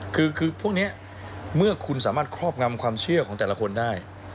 คือพวกนี้เมื่อคุณสามารถครอบงำความเชื่อของแต่ละคนได้